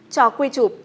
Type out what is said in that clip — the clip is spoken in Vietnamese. cho quy chụp